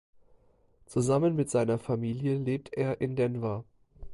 Zusammen mit seiner Familie lebt er in Denver.